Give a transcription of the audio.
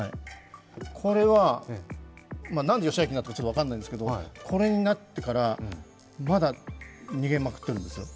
これは、なんで義顕になったか分からないんですけどこれになってから、まだ逃げまくってるんですよ。